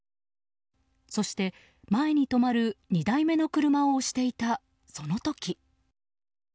そして前に止まる２台目の車を押していた、その時。